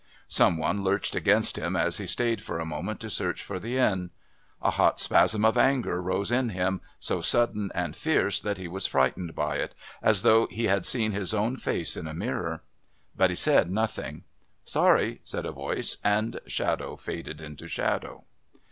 Some one lurched against him as he stayed for a moment to search for the inn. A hot spasm of anger rose in him, so sudden and fierce that he was frightened by it, as though he had seen his own face in a mirror. But he said nothing. "Sorry," said a voice, and shadow faded into shadow.